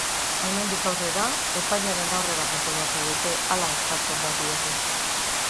Hemendik aurrera, epailearen aurrera agertu beharko dute, hala eskatzen badiete.